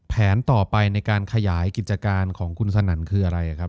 แผนต่อไปในการขยายกิจการของคุณสนั่นคืออะไรครับ